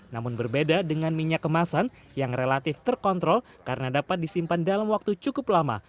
namun berbeda dengan minyak kemasan yang relatif terkontrol karena dapat disimpan dalam waktu cukup lama